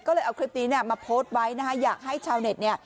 ก็เลยเอาคลิปนี้มาโพสต์ไว้อยากให้ชาวเน็ต